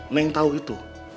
neng tahu itu